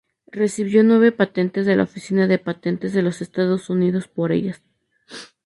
Recibió nueve patentes de la Oficina de Patentes de los Estados Unidos por ellas.